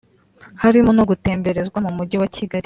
harimo no gutemberezwa mu mujyi wa Kigali